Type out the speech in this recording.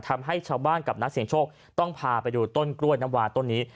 ทำให้ชาวบ้านกับนักเสียงโชคต้องพาไปดูต้นกล้วยน้ำวาต้นนี้